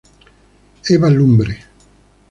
Eva Lumbre.